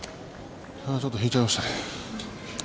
ちょっと引いちゃいましたね。